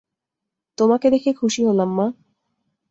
তোমাকে দেখে খুশি হলাম, মা।